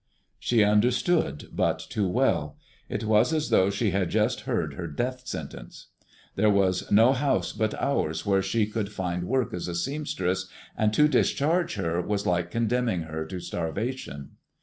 She understood but too well. It was as though she had just heard her death sentence. There was no house but ours where she could find work as a seamstress, and to discharge her was like condemning her to starvation.